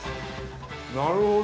なるほど！